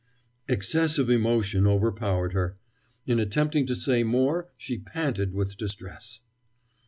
Excessive emotion overpowered her. In attempting to say more she panted with distress.